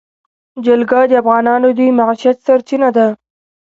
جلګه د افغانانو د معیشت سرچینه ده.